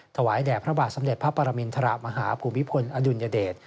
ถวายแด่พระบาทสำเร็จพระปรมินทรมาฮภูมิพลอดุลยเดช